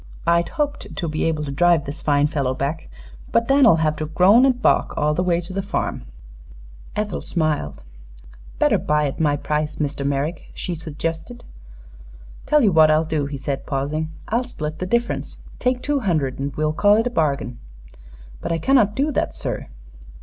"I'd hoped to be able to drive this fine fellow back, but Dan'll have to groan an' balk all the way to the farm." Ethel smiled. "Better buy at my price, Mr. Merrick," she suggested. "Tell you what I'll do," he said, pausing. "I'll split the difference. Take two hundred and well call it a bargain." "But I cannot do that, sir."